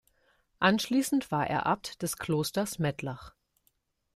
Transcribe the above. Anschließend war er Abt des Klosters Mettlach.